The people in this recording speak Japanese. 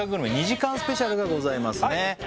２時間スペシャルがございますね